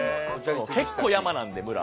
結構山なんで村。